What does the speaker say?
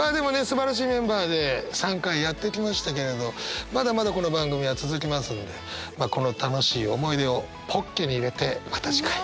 すばらしいメンバーで３回やってきましたけれどまだまだこの番組は続きますのでこの楽しい思い出をポッケに入れてまた次回。